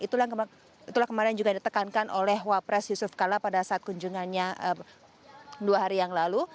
itulah kemarin juga ditekankan oleh wapres yusuf kala pada saat kunjungannya dua hari yang lalu